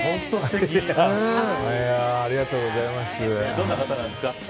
どんな方なんですか。